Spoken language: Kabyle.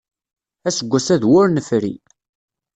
Aseggas-a d wur nefri.